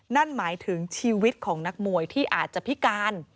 นั่นหมายถึงชีวิตของนักมวยที่อาจจะพิการ